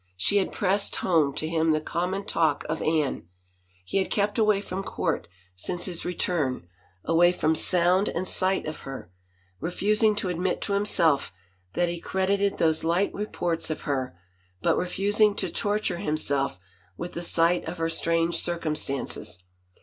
She had pressed home to him the common talk of Anne. He had kept away from court since his return, away from sound and sight of her, refusing to admit to himself that he cred ited those light reports of her, but refusing to torture himself with the sight of her strange circumstances.